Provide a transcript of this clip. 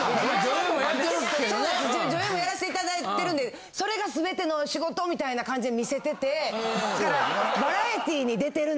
そうです女優もやらせていただいてるんでそれが全ての仕事みたいな感じに見せててだから。